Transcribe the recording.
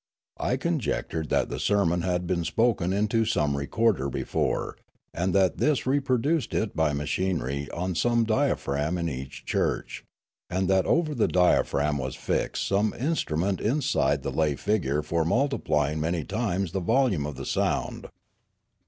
I conjectured that the sermon had been spoken into some recorder before, and that this reproduced it by machinery on some dia phragm in each church, and that over the diaphragm was fixed some instrument inside the lay figure for multiplying many times the volume of the sound.